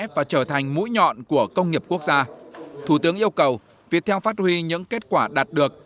và trở thành mũi nhọn của công nghiệp quốc gia thủ tướng yêu cầu viettel phát huy những kết quả đạt được